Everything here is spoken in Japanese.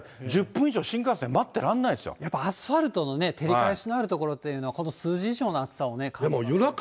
１０分以上、新幹線待ってられなやっぱりアスファルトのてりかえしのあるところっていうのはこの数字以上のね。